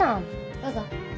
どうぞ。